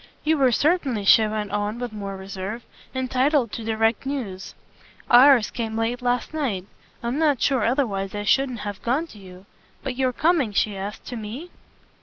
"You were certainly," she went on with more reserve, "entitled to direct news. Ours came late last night: I'm not sure otherwise I shouldn't have gone to you. But you're coming," she asked, "to ME?"